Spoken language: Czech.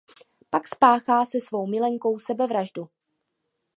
Pak spáchá se svou milenkou sebevraždu.